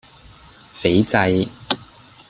斐濟